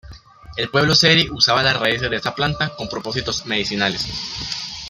El pueblo Seri usaba las raíces de esta planta con propósitos medicinales.